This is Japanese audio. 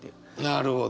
なるほど！